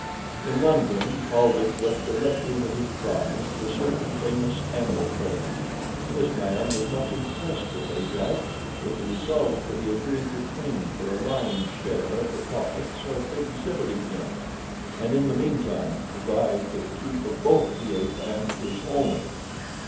In London, Paulvitch went directly with his prize to a certain famous animal trainer. This man was much impressed with Ajax with the result that he agreed to train him for a lion's share of the profits of exhibiting him, and in the meantime to provide for the keep of both the ape and his owner.